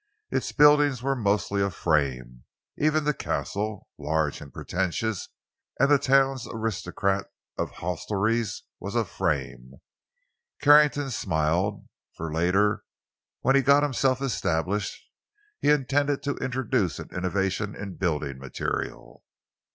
Its buildings were mostly of frame—even the Castle, large and pretentious, and the town's aristocrat of hostelries, was of frame. Carrington smiled, for later, when he had got himself established, he intended to introduce an innovation in building material.